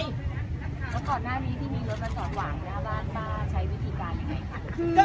แล้วก่อนหน้าวิทยุทธิ์ที่มีรถมันสอนหว่างหน้าบ้านมาใช้วิธีการยังไงค่ะ